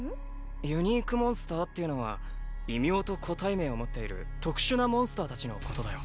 ユニークモンスターっていうのは異名と個体名を持っている特殊なモンスターたちのことだよ。